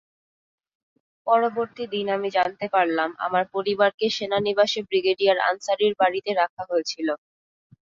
পরবর্তী দিন আমি জানতে পারলাম, আমার পরিবারকে সেনানিবাসে ব্রিগেডিয়ার আনসারির বাড়িতে রাখা হয়েছিল।